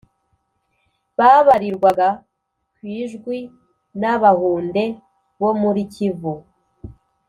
babarirwaga kwjwi nAbahunde bo muri Kivu